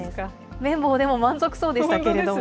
綿棒でも満足そうでしたけれども。